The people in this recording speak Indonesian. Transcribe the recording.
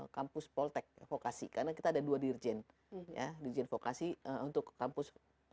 kampus poltek vokasi karena kita ada dua dirjen ya dirjen vokasi untuk kampus